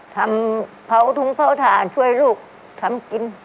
ทำเผาถุงเผาถ่านช่วยลูกทำกิน